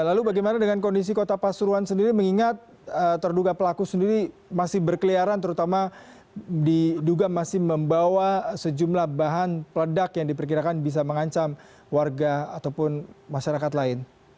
lalu bagaimana dengan kondisi kota pasuruan sendiri mengingat terduga pelaku sendiri masih berkeliaran terutama diduga masih membawa sejumlah bahan peledak yang diperkirakan bisa mengancam warga ataupun masyarakat lain